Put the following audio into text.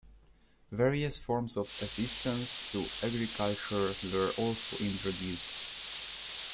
Various forms of assistance to agriculture were also introduced.